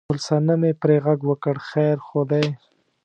ګل صنمې پرې غږ وکړ: خیر خو دی؟